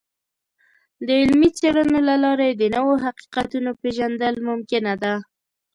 د علمي څیړنو له لارې د نوو حقیقتونو پیژندل ممکنه ده.